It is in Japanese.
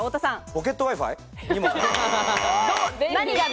ポケットＷｉ−Ｆｉ。